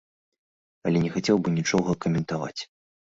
Але не хацеў бы нічога каментаваць.